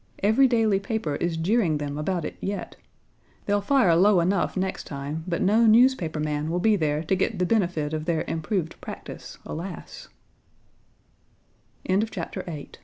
Every daily paper is jeering them about it yet. They'll fire low enough next time, but no newspaper man will be there to get the benefit of their improved practise, alas!" Page 82 IX. RICHMOND, VA.